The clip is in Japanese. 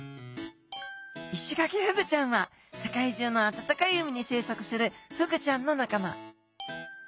イシガキフグちゃんは世界中の暖かい海に生息するフグちゃんの仲間。